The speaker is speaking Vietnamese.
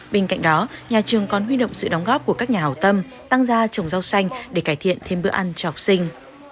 bên cạnh đó nhà trường còn huy động sự đóng góp của các nhà hảo tâm tăng ra trồng rau xanh để cải thiện thêm bữa ăn cho học sinh